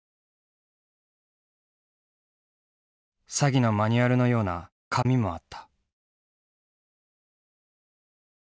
詐欺のマニュアルのような紙もあった。